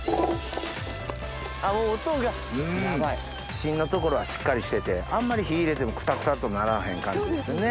しんのところはしっかりしててあんまり火入れてもクタクタっとならへん感じですね。